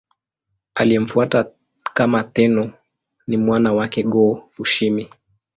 Aliyemfuata kama Tenno ni mwana wake Go-Fushimi.